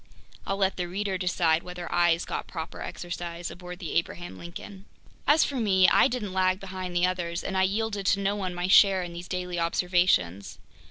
I'll let the reader decide whether eyes got proper exercise aboard the Abraham Lincoln. As for me, I didn't lag behind the others and I yielded to no one my share in these daily observations.